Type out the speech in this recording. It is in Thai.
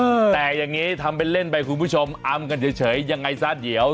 แต่อย่างนี้ทำเป็นเล่นไปคุณผู้ชมอำกันเฉยยังไงซะเดี๋ยว